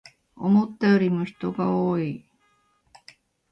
思ったよりも人が多い